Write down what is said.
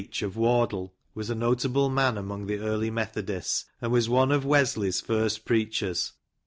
— Inviting, t John Lead), of Wardle, was a notable man among tile early Methodists, and was one of Wesley's first preachers.